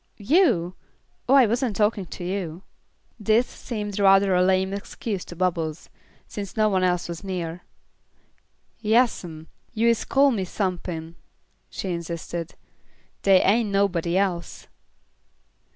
"You! Oh, I wasn't talking to you." This seemed rather a lame excuse to Bubbles, since no one else was near. "Yass 'm, yuh is call me sumpin'," she insisted. "Dey ain't nobody else."